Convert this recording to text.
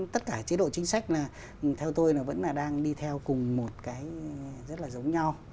tất cả chế độ chính sách theo tôi là vẫn đang đi theo cùng một cái rất là giống nhau